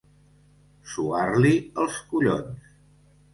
Suar-li els collons.